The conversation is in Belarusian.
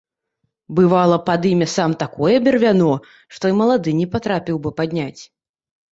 Бывала, падыме сам такое бервяно, што і малады не патрапіў бы падняць.